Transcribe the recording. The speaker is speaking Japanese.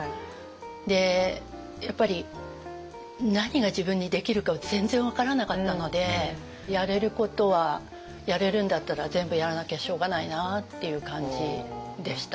でやっぱり何が自分にできるかを全然分からなかったのでやれることはやれるんだったら全部やらなきゃしょうがないなっていう感じでした。